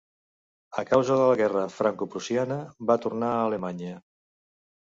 A causa de la guerra francoprussiana va tornar a Alemanya.